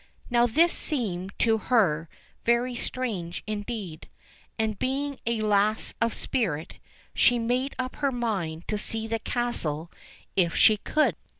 Now this seemed to her very strange indeed ; and, being a lass of spirit, she made up her mind to see the castle if she could.